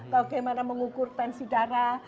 bagaimana mengukur tensi darah